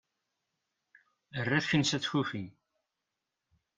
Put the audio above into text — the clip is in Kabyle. err akin s at kufi